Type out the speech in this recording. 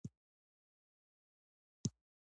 وامې نه خیسته ډېر قیمته وو